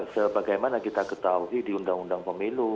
sebagaimana kita ketahui di undang undang pemilu